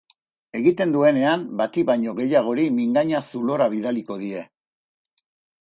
Egiten duenean bati baino gehiagori mingaina zulora bidaliko die.